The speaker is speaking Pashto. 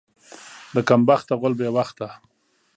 د کم بخته غول بې وخته.